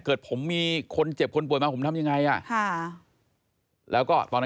เกิดผมมีคนเจ็บคนป่วยมาผมทำยังไงค่ะเหรอ